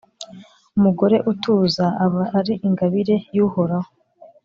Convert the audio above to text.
Umugore utuza aba ari ingabire y’Uhoraho,